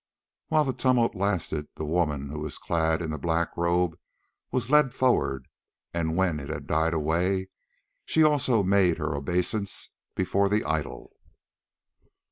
While the tumult still lasted, the woman who was clad in the black robe was led forward, and when it had died away she also made her obeisance before the idol.